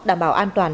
đảm bảo an toàn